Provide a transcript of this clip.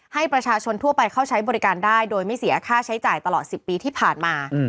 ให้ประชาชนทั่วไปเข้าใช้บริการได้โดยไม่เสียค่าใช้จ่ายตลอด๑๐ปีที่ผ่านมา